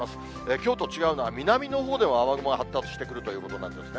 きょうと違うのは、南のほうでは雨雲が発達してくるということなんですね。